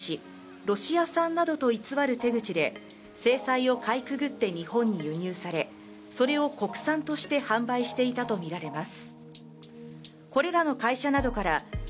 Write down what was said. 北朝鮮産のしじみは中国や韓国を経由しロシア産などと偽る手口で制裁をかいくぐって日本に輸入されそれを国産として販売していたとみられます。